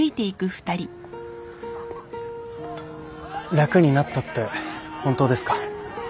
楽になったって本当ですか？